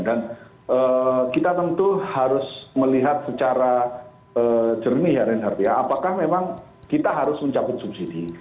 dan kita tentu harus melihat secara jernih apakah memang kita harus mencaput subsidi